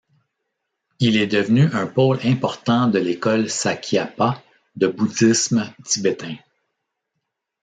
Il est devenu un pôle important de l’école sakyapa du bouddhisme tibétain.